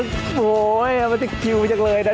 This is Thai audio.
โอ้โหมันจะคิวจังเลยนะ